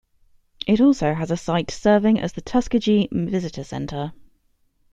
It also has a site serving as the Tuskegee Visitor Center.